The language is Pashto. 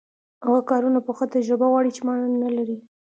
هغه کارونه پخه تجربه غواړي چې ما نلري.